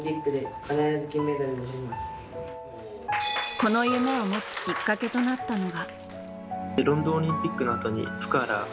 この夢を持つきっかけとなったのが。